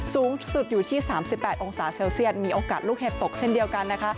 สูงสุดอยู่ที่๓๘องศาเซลเซียตมีโอกาสลูกเห็บตกเช่นเดียวกันนะคะ